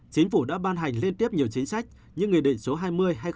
chính phủ đã ban hành liên tiếp nhiều chính sách như nghị định số hai mươi hay hai mươi một